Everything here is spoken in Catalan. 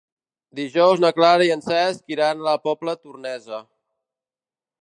Dijous na Clara i en Cesc iran a la Pobla Tornesa.